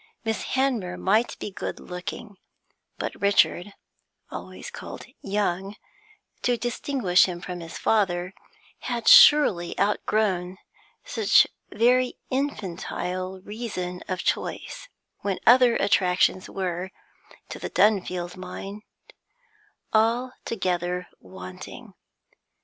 Miss Hanmer might be good looking, but Richard (always called 'young' to distinguish him from his father) had surely outgrown such a very infantile reason of choice, when other attractions were, to the Dunfield mind, altogether wanting.